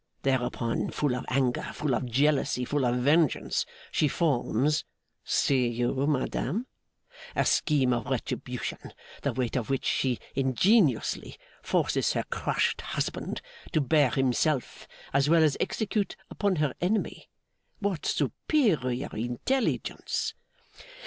Thereupon, full of anger, full of jealousy, full of vengeance, she forms see you, madame! a scheme of retribution, the weight of which she ingeniously forces her crushed husband to bear himself, as well as execute upon her enemy. What superior intelligence!